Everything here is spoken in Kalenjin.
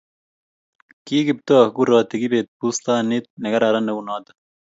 kiKiptooo kuroti kibet bustanit ne kararan neu noto